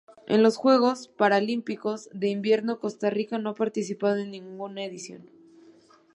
En los Juegos Paralímpicos de Invierno Costa Rica no ha participado en ninguna edición.